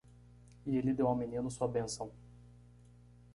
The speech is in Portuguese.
E ele deu ao menino sua bênção.